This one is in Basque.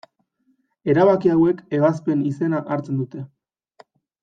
Erabaki hauek ebazpen izena hartzen dute.